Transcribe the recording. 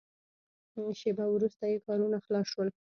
شېبه وروسته یې کارونه خلاص شول.